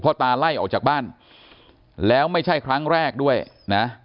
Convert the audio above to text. ตาไล่ออกจากบ้านแล้วไม่ใช่ครั้งแรกด้วยนะ